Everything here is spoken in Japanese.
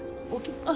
あっ。